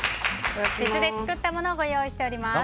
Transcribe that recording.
別で作ったものをご用意しています。